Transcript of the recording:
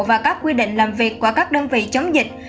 và các quy định làm việc của các đơn vị chống dịch